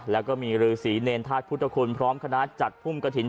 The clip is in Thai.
แล้วก็มีรือศรีเนรธาตุพุทธคุณพร้อมคณะจัดพุ่มกระถิ่น